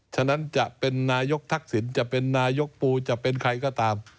ฉะนั้นจะเป็นนายกทักษิณจะเป็นนายกปูจะเป็นใครก็ตาม